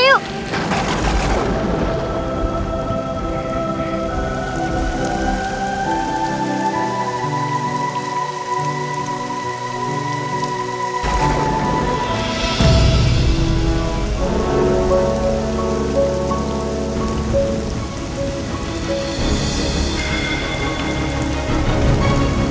kamu tidak akan kena panggilan ini